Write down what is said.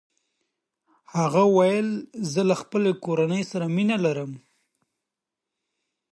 هغه وویل چې زه له خپلې کورنۍ سره مینه لرم.